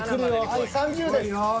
はい３０です。